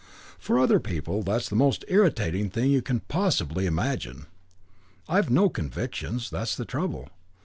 For other people, that's the most irritating thing you can possibly imagine. I've no convictions; that's the trouble.